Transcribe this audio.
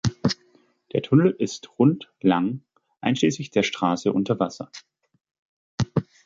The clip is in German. Der Tunnel ist rund lang, einschließlich der Straße unter Wasser.